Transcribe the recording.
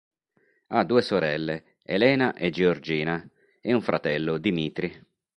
Ha due sorelle, Helena e Georgina, e un fratello, Dimitri.